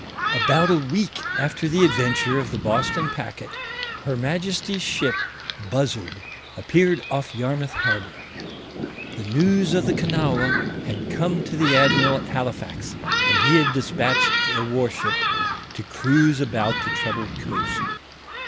About a week after the adventure of the Boston packet Her Majesty's ship Buzzard appeared off Yarmouth harbor. The news of the Kanawha had come to the Admiral at Halifax, and he had dispatched the warship to cruise about the troubled coast.